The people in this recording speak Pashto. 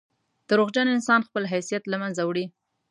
• دروغجن انسان خپل حیثیت له منځه وړي.